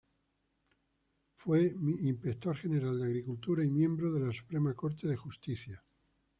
Fue Inspector General de Agricultura y miembro de la Suprema Corte de Justicia.